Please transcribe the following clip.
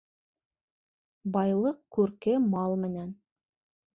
Байлыҡ күрке мал менән.